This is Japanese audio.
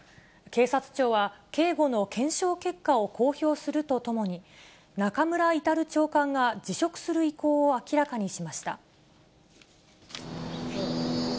警察庁は警護の検証結果を公表するとともに、中村格長官が辞職する意向を明らかにしました。